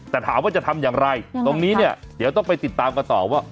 แต่ถามว่าจะทำอย่างไรตรงนี้เนี่ยเดี๋ยวต้องไปติดตามกันต่อว่า